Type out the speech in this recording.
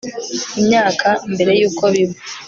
imyaka mbere y uko biba